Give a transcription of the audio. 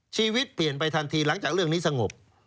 ชีวิตเปลี่ยนไปทันทีหลังจากเรื่องนี้สงบ